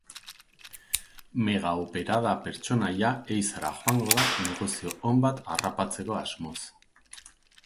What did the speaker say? Megaoperada pertsonaia ehizara joango da negozio on bat harrapatzeko asmoz.